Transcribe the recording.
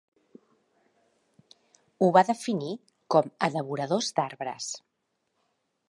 Ho va definir com a "devoradors d'arbres".